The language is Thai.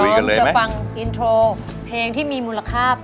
พร้อมจะฟังอินโทรเพลงที่มีมูลค่า